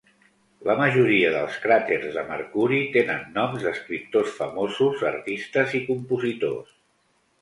La majoria dels cràters de Mercuri tenen noms d'escriptors famosos, artistes i compositors.